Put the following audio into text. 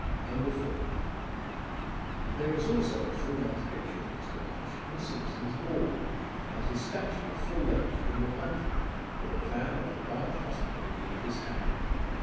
87 There is also a full length, picture of Mr. Nash in Simpson's Ball lloom, and his statue at full length in the Pump Room, with a plan of the Bath Hospital in his hand.